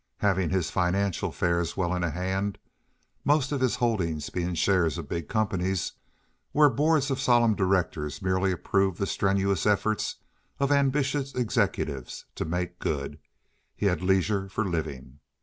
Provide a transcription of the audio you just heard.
Having his financial affairs well in hand, most of his holding being shares of big companies, where boards of solemn directors merely approved the strenuous efforts of ambitious executives to "make good," he had leisure for living.